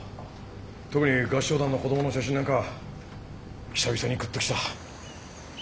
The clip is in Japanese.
特に合唱団の子供の写真なんか久々にグッときた。